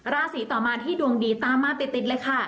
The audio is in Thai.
ราศีต่อมาที่ดวงดีตามมาติดเลยค่ะ